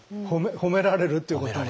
褒められるっていうことが。